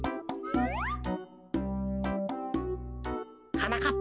はなかっ